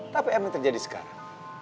tapi apa yang terjadi sekarang